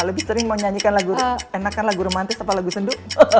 lebih sering menyanyikan lagu enakan lagu romantis apa lagu sendu